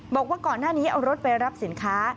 บอกว่าก่อนหน้านี้เอารถไปรับสินค้า